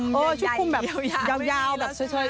ชุดคุมแบบยาวแบบเฉย